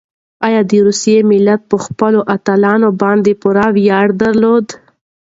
ایا د روسیې ملت په خپلو اتلانو باندې پوره ویاړ درلود؟